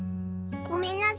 ごめんなさい